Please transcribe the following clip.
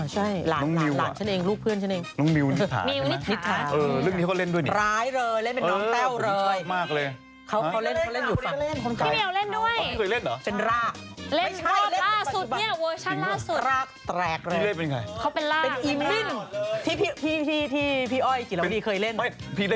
ใช่หลานชั้นเองลูกเพื่อนชั้นเองน้องมิวนิทรานะ